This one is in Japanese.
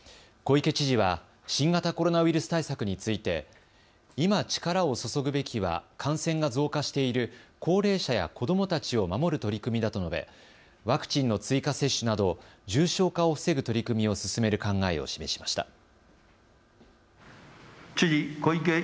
小池知事は新型コロナウイルス対策について今、力を注ぐべきは感染が増加している高齢者や子どもたちを守る取り組みだと述べワクチンの追加接種など重症化を防ぐ取り組みを進める考えを示しました。